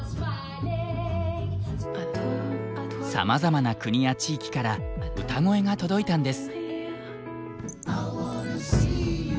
さまざまな国や地域から歌声が届いたんです。